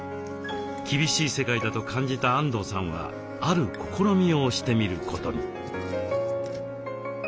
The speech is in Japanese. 厳しい世界だと感じたあんどうさんはある試みをしてみることに。